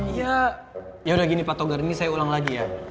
ya ya udah gini pak togari ini saya ulang lagi ya